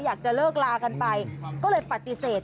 อยากจะเลิกลากันไปก็เลยปฏิเสธ